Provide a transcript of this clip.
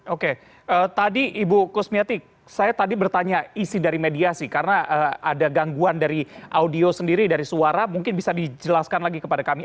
oke tadi ibu kusmiati saya tadi bertanya isi dari mediasi karena ada gangguan dari audio sendiri dari suara mungkin bisa dijelaskan lagi kepada kami